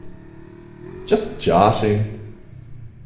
Just joshing!